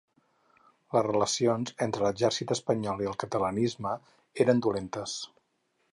Les relacions entre l'exèrcit espanyol i el catalanisme eren dolentes.